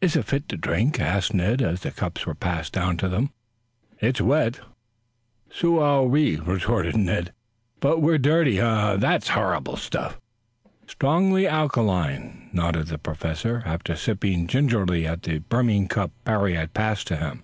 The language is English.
"Is it fit to drink?" asked Tad as the cups were passed down to them. "It's wet." "So are we," retorted Ned. "But we're dirty. Uh! That's horrible stuff." "Strongly alkaline," nodded the Professor, after sipping gingerly at the brimming cup Parry had passed to him.